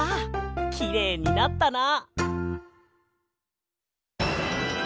きれいになったな。